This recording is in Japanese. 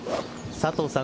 佐藤さん